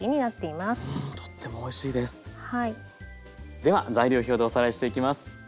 では材料表でおさらいしていきます。